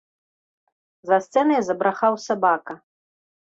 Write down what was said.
За сцэнай забрахаў сабака.